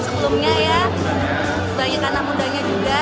sebelumnya ya banyak anak mudanya juga